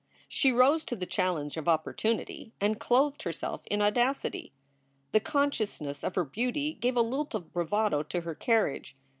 She rose to the challenge of opportunity and clothed herself in audacity. The consciousness of her beauty gave a lilt of bravado to her carriage.